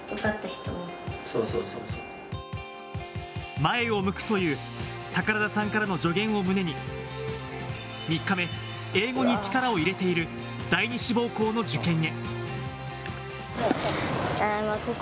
前を向くという宝田さんからの助言を胸に、３日目、英語に力を入れている、第二志望校の受験へ。